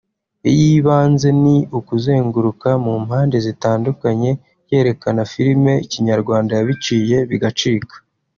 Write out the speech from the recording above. iy’ibanze ni ukuzenguruka mu mpande zitandukanye yerekana Film Kinyarwanda yabiciye bigacika